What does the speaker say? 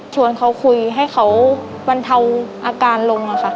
ชวนเขาคุยให้เขาบรรเทาอาการลงค่ะ